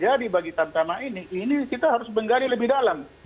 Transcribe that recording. jadi bagi tamtama ini ini kita harus menggali lebih dalam